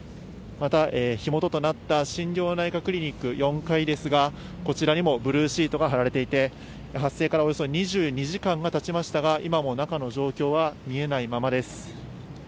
また、火元となった心療内科クリニック４階ですが、こちらにもブルーシートが張られていて、発生からおよそ２２時間がたちましたが、今も中の状況は見えないままです。